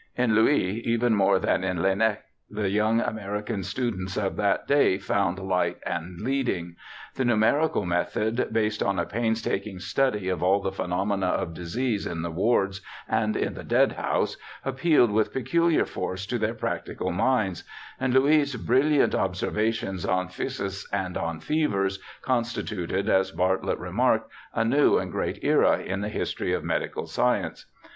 In Louis, even more than in Laennec, the young American students of that day found light and leading. The numerical method, based on a pains taking study of all the phenomena of disease in the wards and in the dead house, appealed with peculiar force to their practical minds, and Louis' brilliant ob servations on phthisis and on fevers constituted, as Bartlett remarked, a new and great era in the history of medical science.